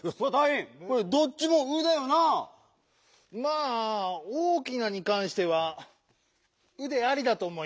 まあ「おおきな」にかんしては「う」でありだとおもいます。